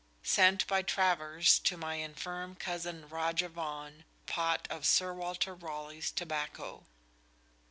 Sent by Travers to my infirme cozen Roger Vaghan, a pott of Sir Walter Raleighes tobackoe."